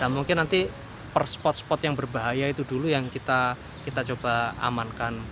dan mungkin nanti per spot spot yang berbahaya itu dulu yang kita coba amankan